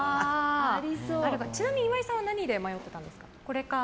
ちなみに、岩井さんは何で迷ってたんですか。